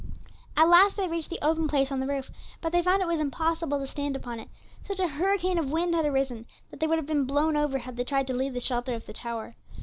At last they reached the open place on the roof, but they found it was impossible to stand upon it; such a hurricane of wind had arisen, that they would have been blown over had they tried to leave the shelter of the tower.